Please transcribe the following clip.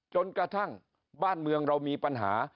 จนกระทั่งบ้านเมืองเรามีปัญหา